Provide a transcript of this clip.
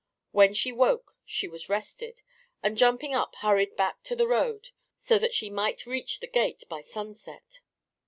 When she woke she was rested, and jumping up hurried back to the road so that she might reach the gate by sunset.